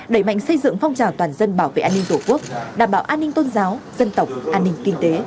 đẩy mạnh xây dựng phong trào toàn dân bảo vệ an ninh tổ quốc đảm bảo an ninh tôn giáo dân tộc an ninh kinh tế